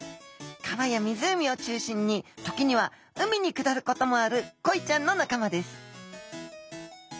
川や湖を中心に時には海に下ることもあるコイちゃんの仲間です